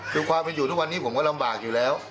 คือความเป็นอยู่ทุกวันนี้ผมก็ลำบากอยู่แล้ว